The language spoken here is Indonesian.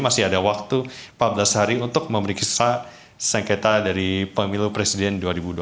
masih ada waktu empat belas hari untuk memeriksa sengketa dari pemilu presiden dua ribu dua puluh